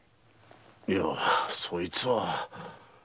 いやそいつは。